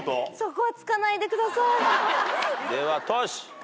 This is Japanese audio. ではトシ。